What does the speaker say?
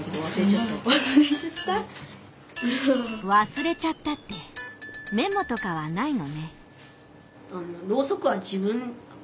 「忘れちゃった」ってメモとかはないのね。